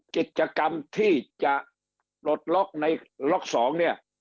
กิจกรรมที่จะปลดล็อกในล็อก๒เนี่ย